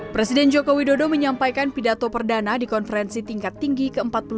presiden jokowi dodo menyampaikan pidato perdana di konferensi tingkat tinggi ke empat puluh dua